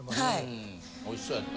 うんおいしそうやった。